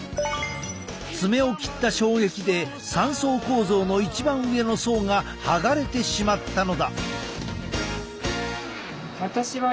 爪を切った衝撃で三層構造の一番上の層がはがれてしまったのだ。